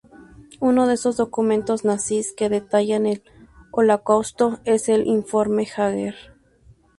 Uno de estos documentos nazis que detallan el Holocausto, es el "Informe Jäger".